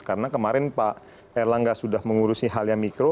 karena kemarin pak erlangga sudah mengurusi hal yang mikro